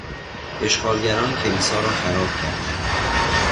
اشغالگران کلیسا را خراب کردند.